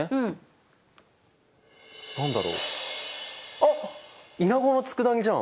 あっイナゴの佃煮じゃん！